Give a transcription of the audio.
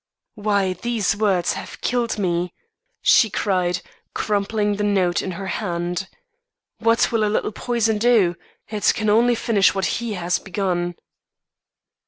'Why, these words have killed me,' she cried crumpling the note in her hand. 'What will a little poison do? It can only finish what he has begun.